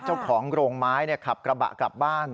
เจ้าของโรงไม้ขับกระบะกลับบ้าน